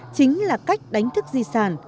chính là cách đánh thức di sản